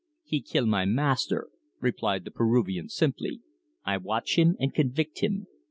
"He kill my master," replied the Peruvian simply. "I watch him and convict him.